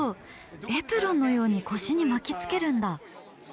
エプロンのように腰に巻きつけるんだ！